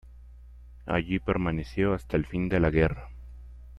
Allí permaneció hasta el fin de la guerra.